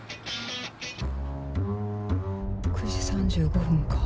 ９時３５分か。